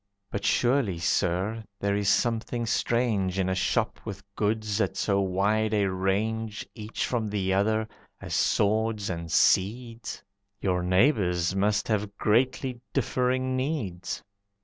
"But surely, Sir, there is something strange In a shop with goods at so wide a range Each from the other, as swords and seeds. Your neighbours must have greatly differing needs."